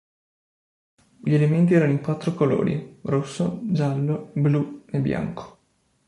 Gli elementi erano in quattro colori: rosso, giallo, blu e bianco.